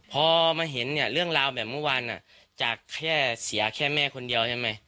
พอมาเห็นเนี่ยเรื่องราวแบบเมื่อวานจากแค่เสียแค่แม่คนเดียวใช่ไหม